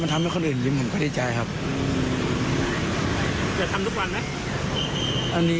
มีหลายคนเป็นห่วงแล้วน้องจะล้างออกยังไง